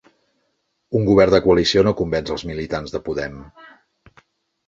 Un govern de coalició no convenç als militants de Podem